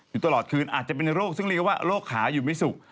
อยู่ตลอดคืนอาจจะเป็นโรคซึ่งเรียกว่าโรคขาอยู่ไม่สุข